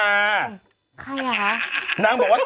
ฝ่ายมากเลยอะ